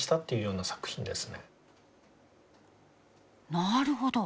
なるほど。